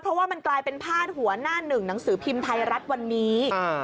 เพราะว่ามันกลายเป็นพาดหัวหน้าหนึ่งหนังสือพิมพ์ไทยรัฐวันนี้